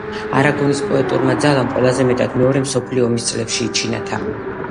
არაგონის პოეტურმა ძალამ ყველაზე მეტად მეორე მსოფლიო ომის წლებში იჩინა თავი.